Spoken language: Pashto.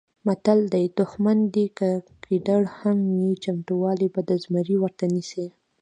متل دی: دوښمن دې که ګیدړ هم وي چمتوالی به د زمري ورته نیسې.